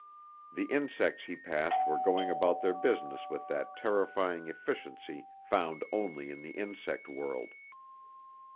The insects he passed were going about their business with that terrifying efficiency found only in the insect world.